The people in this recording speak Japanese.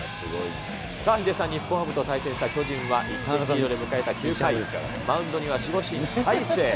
ヒデさん、日本ハムと対戦した巨人は、１点リードで迎えた９回、マウンドには守護神、大勢。